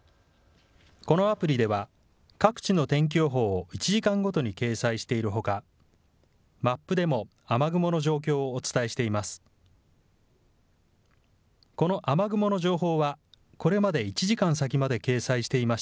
このアプリでは各地の天気予報を１時間ごとに掲載しているほかマップでも雨雲の状況をお伝えしています。